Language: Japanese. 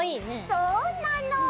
そうなの！